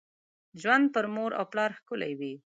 ژوند پر مور او پلار ښکلي وي .